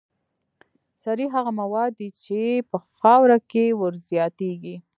سرې هغه مواد دي چې په خاوره کې ور زیاتیږي.